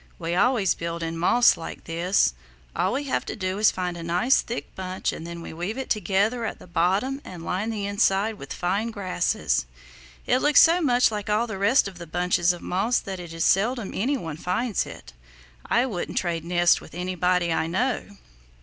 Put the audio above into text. We always build in moss like this. All we have to do is to find a nice thick bunch and then weave it together at the bottom and line the inside with fine grasses. It looks so much like all the rest of the bunches of moss that it is seldom any one finds it. I wouldn't trade nests with anybody I know."